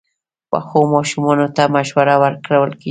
پخو ماشومانو ته مشوره ورکول کېږي